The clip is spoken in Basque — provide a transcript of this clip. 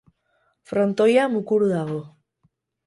Frontoia mukuru dago.